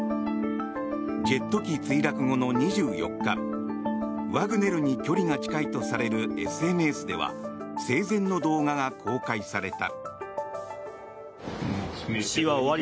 ジェット機墜落後の２４日ワグネルに距離が近いとされるＳＮＳでは生前の動画が公開された。